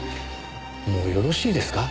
もうよろしいですか？